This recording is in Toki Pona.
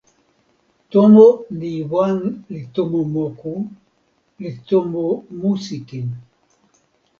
tomo ni wan li tomo moku, li tomo musi kin.